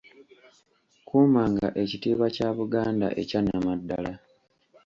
Kuumanga ekitiibwa kya Buganda ekya nnamaddala.